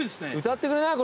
歌ってくれない？